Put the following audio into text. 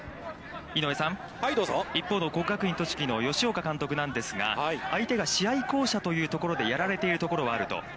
◆一方の国学院栃木の吉岡監督なんですが、相手が試合巧者というところでやられているところはあると。